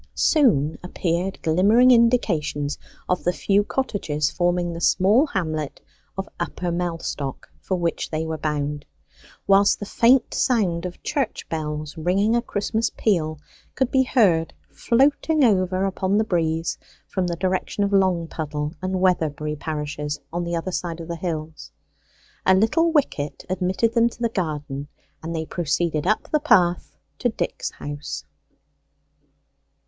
Soon appeared glimmering indications of the few cottages forming the small hamlet of Upper Mellstock for which they were bound, whilst the faint sound of church bells ringing a Christmas peal could be heard floating over upon the breeze from the direction of Longpuddle and Weatherbury parishes on the other side of the hills. A little wicket admitted them to the garden, and they proceeded up the path to Dick's house.